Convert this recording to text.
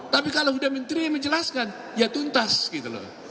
tapi kalau sudah menteri menjelaskan ya tuntas gitu loh